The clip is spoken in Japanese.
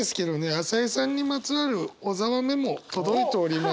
朝井さんにまつわる小沢メモ届いております。